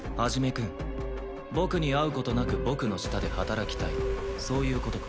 君僕に会うことなく僕の下で働きたいそういうことか？